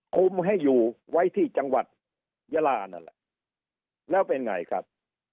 คุมให้อยู่ไว้ที่จังหวัดยาลานั่นแหละแล้วเป็นไงครับ